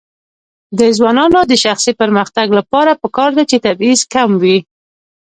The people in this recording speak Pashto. د ځوانانو د شخصي پرمختګ لپاره پکار ده چې تبعیض کموي.